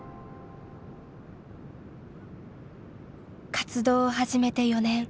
活動を始めて４年。